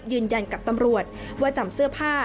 ยืนยันกับตำรวจว่าจำเสื้อผ้า